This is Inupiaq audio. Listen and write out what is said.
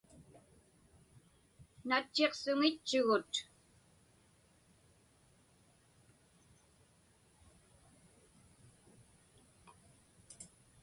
Natchiqsuŋitchugut.